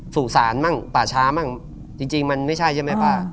สู่ศาลมั่งป่าช้ามั่งจริงมันไม่ใช่ใช่ไหมป้า